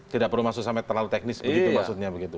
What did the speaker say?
tidak perlu masuk sampai terlalu teknis begitu maksudnya begitu